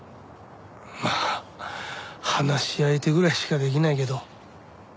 まあ話し相手ぐらいしかできないけど。